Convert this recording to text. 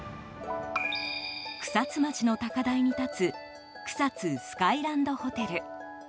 草津町の高台に立つ草津スカイランドホテル。